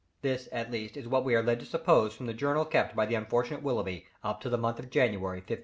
This, at least, is what we are led to suppose from the journal kept by the unfortunate Willoughby up to the month of January, 1554.